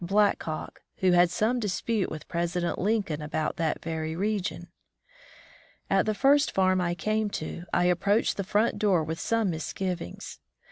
Black Hawk, who had some dispute with President Lincoln about that very region. At the first farm I came to, I approached the front door with some misgivings.